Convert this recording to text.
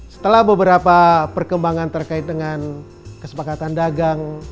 setelah beberapa perkembangan terkait dengan kesepakatan dagang